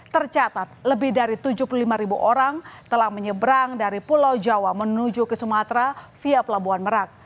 tercatat lebih dari tujuh puluh lima ribu orang telah menyeberang dari pulau jawa menuju ke sumatera via pelabuhan merak